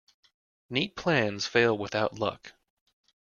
Neat plans fail without luck.